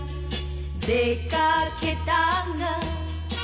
「出掛けたが」